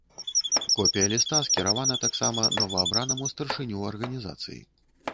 Копія ліста скіравана таксама новаабранаму старшыню арганізацыі.